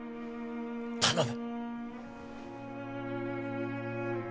頼む！